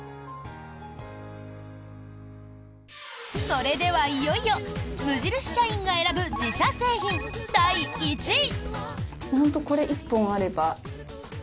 それでは、いよいよ無印社員が選ぶ自社製品第１位。